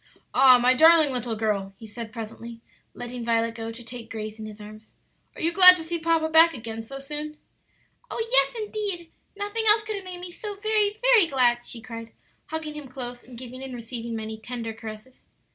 "Ah, my darling little girl," he said presently, letting Violet go to take Grace in his arms. "Are you glad to see papa back again so soon?" "Oh, yes, indeed; nothing else could have made me so very, very glad!" she cried, hugging him close, and giving and receiving many tender caresses.